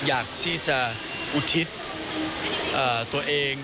อยากที่จะอุทิศตัวเอง